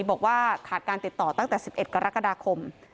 บอกว่าขาดการติดต่อตั้งแต่๑๑กรกฎาคม